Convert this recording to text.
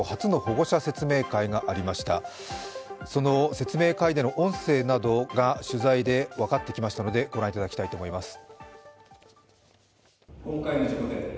説明会での音声などが、取材で分かってきましたので、ご覧いただきたいと思います。